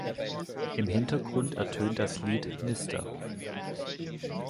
Im Hintergrund ertönt das Lied "Mr.